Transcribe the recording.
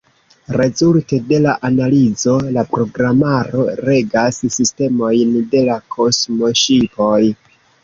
Rezulte de la analizo la programaro regas sistemojn de la kosmoŝipoj.